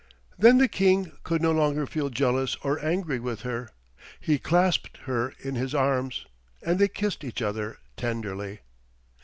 Then the King could no longer feel jealous or angry with her. He clasped her in his arms, and they kissed each other tenderly.